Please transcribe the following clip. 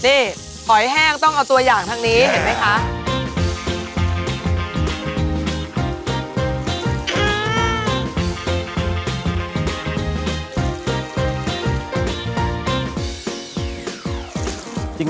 นี่หอยแห้งต้องเอาตัวอย่างทางนี้เห็นไหมคะ